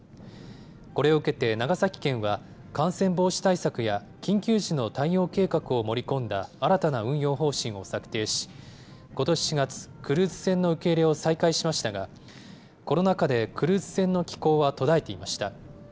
これを受けて長崎県は、感染防止対策や、緊急時の対応計画を盛り込んだ新たな運用方針を策定し、ことし４月、クルーズ船の受け入れを再開しましたが、コロナ禍でクルーズ船の寄港は途絶えていました。